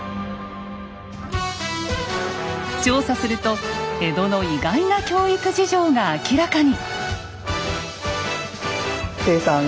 調査すると江戸の意外な教育事情が明らかに。